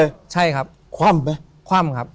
ถูกต้องไหมครับถูกต้องไหมครับ